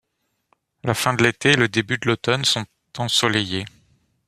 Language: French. La fin de l'été et le début de l'automne sont ensoleillés.